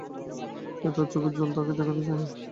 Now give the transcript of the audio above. সে তার চোখের জল তাকে দেখাতে চায় না।